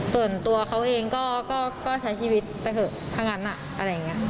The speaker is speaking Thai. ส่วนตัวเขาเองก็ใช้ชีวิตไปเถอะถ้างั้นอะไรอย่างนี้